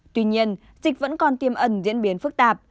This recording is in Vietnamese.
tuy nhiên dịch vẫn còn tiêm ẩn diễn biến phức tạp